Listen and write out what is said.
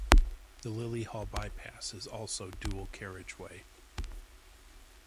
The Lillyhall bypass is also dual carriageway.